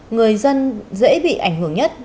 người dân dễ bị ảnh hưởng nhất